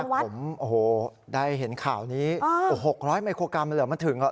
ตอนแรกผมได้เห็นข่าวนี้๖๐๐มิโครกรัมเหลือมาถึงแล้ว